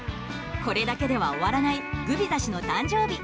これだけでは終わらないグビザ氏の誕生日。